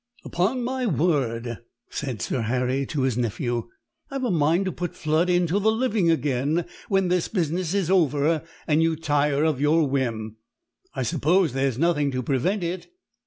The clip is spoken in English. "Upon my word," said Sir Harry to his nephew, "I've a mind to put Flood into the living again when this business is over and you tire of your whim. I suppose there's nothing to prevent it?"